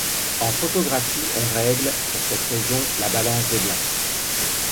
En photographie, on règle, pour cette raison, la balance des blancs.